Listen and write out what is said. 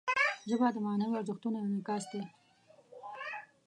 ژبه د معنوي ارزښتونو انعکاس دی